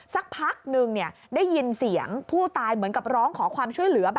สักพักนึงได้ยินเสียงผู้ตายเหมือนกับร้องขอความช่วยเหลือ